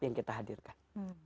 yang kita hadirkan